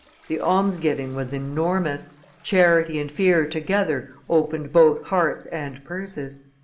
The alms giving was enormous, charity and fear together opened both hearts and purses.